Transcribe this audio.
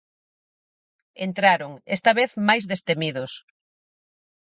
Entraron, esta vez máis destemidos.